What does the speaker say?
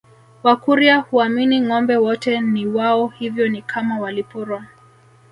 Wakurya huamini ngombe wote ni wao hivyo ni kama waliporwa